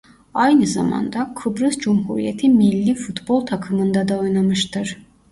Aynı zamanda Kıbrıs Cumhuriyeti millî futbol takımında da oynamıştır.